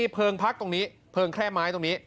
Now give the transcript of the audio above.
เพลิงแคล้ไม้ไปตรงนี้